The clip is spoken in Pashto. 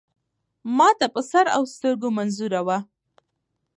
ما ته په سر اوسترګو منظور وه .